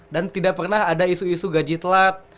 dan tidak pernah ada isu isu gaji telat